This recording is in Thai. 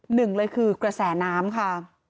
หนึ่งเลยคือกระแสน้ำค่ะ